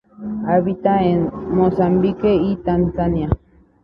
Habita en Mozambique y Tanzania.